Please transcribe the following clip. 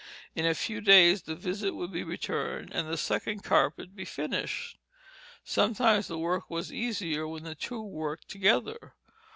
In a few days the visit would be returned, and the second carpet be finished. Sometimes the work was easier when two worked together.